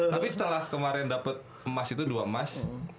tapi setelah kemarin dapet emas itu dua emas